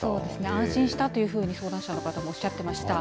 安心したというふうに、相談者の方もおっしゃっていました。